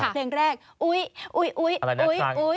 เพลงแรกอุ๊ยอุ๊ยอุ๊ย